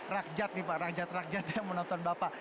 rakjat rakjat yang menonton bapak